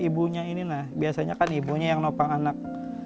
ibunya ini biasanya ibunya yang nopang anak